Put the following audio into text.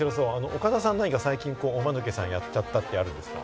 岡田さんは最近おマヌケさんやちゃったってあるんですか？